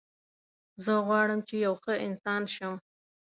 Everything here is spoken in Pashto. زه غواړم چې یو ښه انسان شم